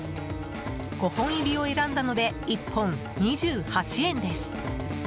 ５本入りを選んだので１本２８円です。